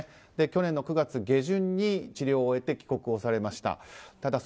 去年の９月下旬に治療を終えて帰国をされました。